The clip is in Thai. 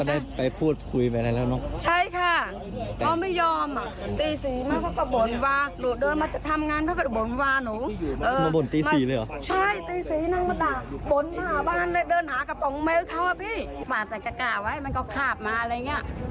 นี่ชอบมากว่าคาบแต่กะกะไว้มันก็ขาบมาอะไรอย่างนี้